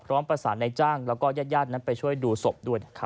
พร้อมประสานในจ้างแล้วก็ญาตินั้นไปช่วยดูศพด้วยนะครับ